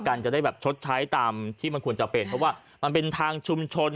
จะได้แบบชดใช้ตามที่มันควรจะเป็นเพราะว่ามันเป็นทางชุมชน